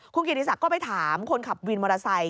คุณกิสักก็ไปถามคนขับวินมอเตอร์ไซต์